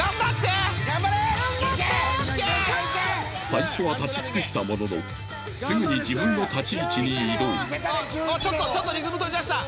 最初は立ち尽くしたもののすぐに自分の立ち位置に移動ちょっとリズム取りだした。